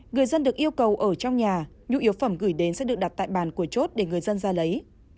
người dân được yêu cầu ở trong nhà nhu yếu phẩm gửi đến sẽ được đặt tại bàn của chốt để người dân ra lấy